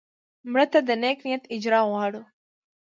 مړه ته د نیک نیت اجر غواړو